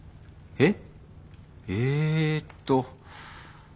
えっ。